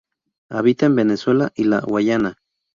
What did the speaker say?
Habita en Venezuela y la Guayana.